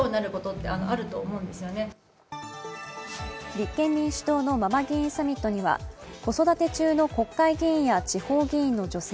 立憲民主党のママ議員サミットには子育て中の国会議員や地方議員の女性